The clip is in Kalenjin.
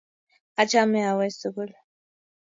achame awe sugul